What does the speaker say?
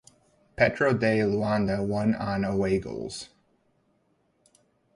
Petro de Luanda won on away goals.